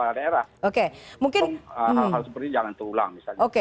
hal hal seperti ini jangan terulang